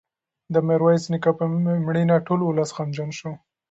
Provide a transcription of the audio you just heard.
د میرویس نیکه په مړینه ټول ولس غمجن شو.